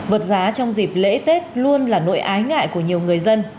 vượt giá trong dịp lễ tết luôn là nỗi ái ngại của nhiều người dân